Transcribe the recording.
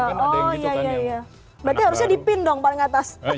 kan ada yang gitu kan